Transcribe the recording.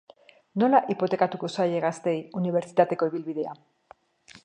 Nola hipotekatuko zaie gazteei unibertsitateko ibilbidea?